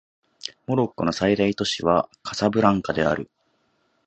モロッコの最大都市はカサブランカである